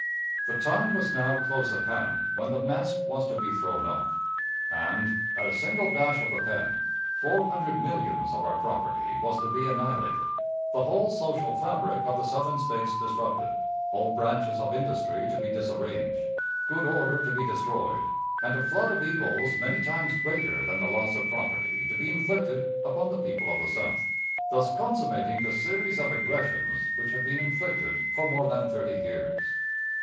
The time was now close at hand when the mask was to be thrown off, and, at a single dash of the pen, four hundred millions of our property was to be annihilated, the whole social fabric of the Southern States disrupted, all branches of industry to be disarranged, good order to be destroyed, and a flood of evils many times greater than the loss of property to be inflicted upon the people of the South, thus consummating the series of aggressions which had been inflicted for more than thirty years.